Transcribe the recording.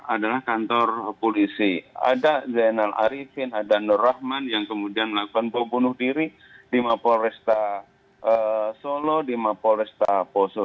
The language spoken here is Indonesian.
adalah kantor polisi ada zainal arifin ada nur rahman yang kemudian melakukan bom bunuh diri di mapol resta solo di mapol resta poso